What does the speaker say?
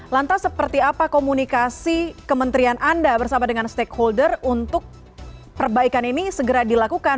lantas seperti apa komunikasi kementerian anda bersama dengan stakeholder untuk perbaikan ini segera dilakukan